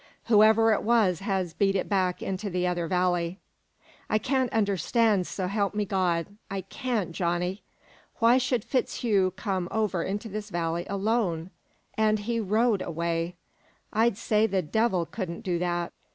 Whoever it was has beat it back into the other valley. I can't understand, s'elp me God, I can't, Johnny! Why should FitzHugh come over into this valley alone? And he rode over! I'd say the devil couldn't do that!"